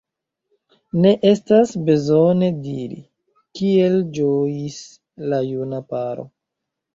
Ne estas bezone diri, kiel ĝojis la juna paro.